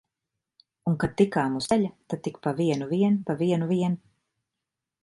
Un kad tikām uz ceļa, tad tik pa vienu vien, pa vienu vien!